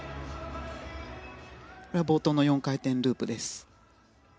冒頭の４回転ループです。